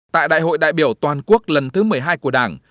tại đại hội đại biểu toàn quốc lần thứ một mươi hai của đảng